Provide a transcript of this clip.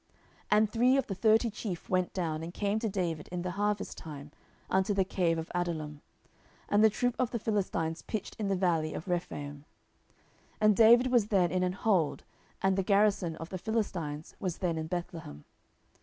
10:023:013 And three of the thirty chief went down, and came to David in the harvest time unto the cave of Adullam: and the troop of the Philistines pitched in the valley of Rephaim. 10:023:014 And David was then in an hold, and the garrison of the Philistines was then in Bethlehem.